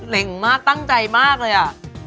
เล็งมากตั้งใจมากเลย